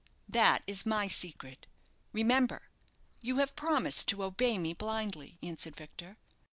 "That is my secret. Remember, you have promised to obey me blindly," answered Victor.